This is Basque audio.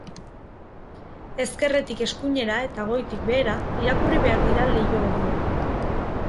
Ezkerretik eskuinera eta goitik behera irakurri behar dira leiho horiek.